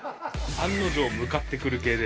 案の定、向かってくる系で。